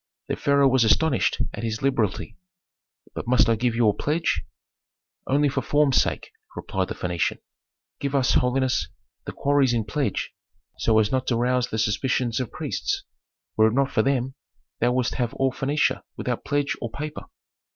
The pharaoh was astonished at this liberality. "But must I give you a pledge?" "Only for form's sake," replied the Phœnician. "Give us, holiness, the quarries in pledge, so as not to rouse the suspicions of priests. Were it not for them, thou wouldst have all Phœnicia without pledge or paper."